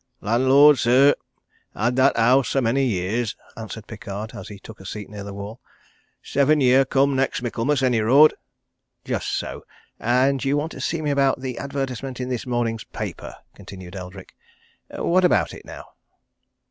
"Landlord, sir had that house a many years," answered Pickard, as he took a seat near the wall. "Seven year come next Michaelmas, any road." "Just so and you want to see me about the advertisement in this morning's paper?" continued Eldrick. "What about it now?"